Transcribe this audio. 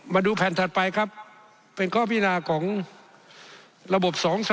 มาดูแผ่นถัดไปครับ